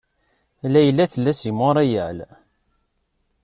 Layla tella seg Montreal.